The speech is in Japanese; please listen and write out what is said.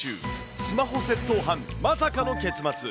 スマホ窃盗犯、まさかの結末。